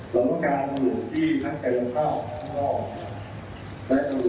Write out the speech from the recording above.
เราต้องการอุดเวิร์ดที่ทั้งเกราะข้าวทั้งรอบ